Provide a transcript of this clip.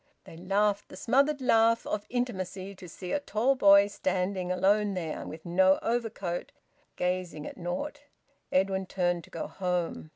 They laughed the smothered laugh of intimacy to see a tall boy standing alone there, with no overcoat, gazing at naught. Edwin turned to go home.